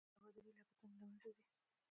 د تبادلې لګښتونه له منځه ځي.